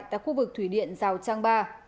tại khu vực thủy điện giao trang ba